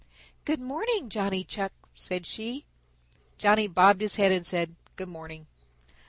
"Good morning, Johnny Chuck," said she. Johnny bobbed his head and said, "Good morning."